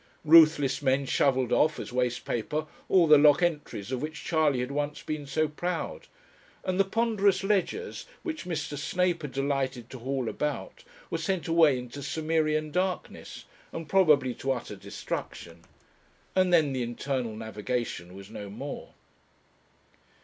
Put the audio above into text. Ruthless men shovelled off as waste paper all the lock entries of which Charley had once been so proud; and the ponderous ledgers, which Mr. Snape had delighted to haul about, were sent away into Cimmerian darkness, and probably to utter destruction. And then the Internal Navigation was no more.